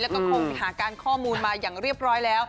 แล้วก็คงหาการข้อมูลมาอย่างเรียบร้อยแล้ว